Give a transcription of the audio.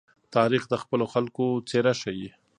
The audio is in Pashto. تاریخ د خپلو خلکو څېره ښيي.